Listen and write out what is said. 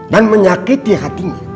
dan menyakiti hatinya